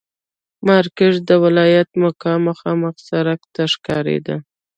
مارکېټ د ولایت مقام مخامخ سړک ته ښکارېده.